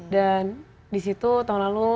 dan disitu tahun lalu